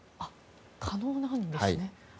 可能なんですね。